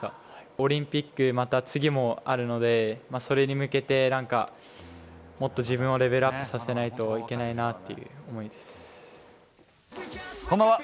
オリンピックまた次もあるのでそれに向けてもっと自分をレベルアップさせないとこんばんは。